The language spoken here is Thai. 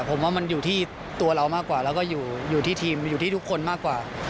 ผมว่ามันอยู่ที่ตัวเรามากกว่าแล้วก็อยู่ที่ทีมอยู่ที่ทุกคนมากกว่า